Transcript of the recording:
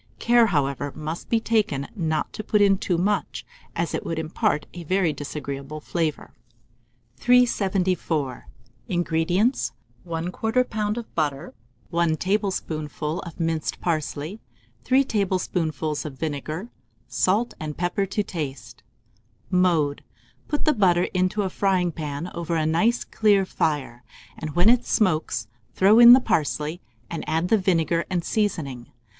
Care, however, must be taken not to put in too much, as it would impart a very disagreeable flavour. BEURRE NOIR, or BROWNED BUTTER (a French Sauce). 374. INGREDIENTS. 1/4 lb. of butter, 1 tablespoonful of minced parsley, 3 tablespoonfuls of vinegar, salt and pepper to taste. Mode. Put the butter into a fryingpan over a nice clear fire, and when it smokes, throw in the parsley, and add the vinegar and seasoning.